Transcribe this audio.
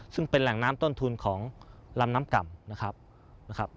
ซึ่งเป็นแหล่งน้ำต้นทุนของลำน้ำก่ำนะครับนะครับ